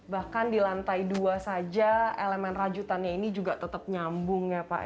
bahkan di lantai dua saja elemen rajutannya ini juga tetap nyambung ya pak